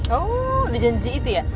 oh udah janji itu ya